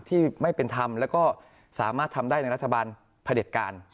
ที่ไม่เป็นธรรมแล้วก็สามารถทำได้ในรัฐบาลพระเด็จการ